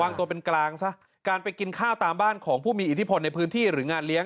วางตัวเป็นกลางซะการไปกินข้าวตามบ้านของผู้มีอิทธิพลในพื้นที่หรืองานเลี้ย